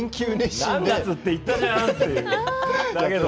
何月って言ったじゃん、って。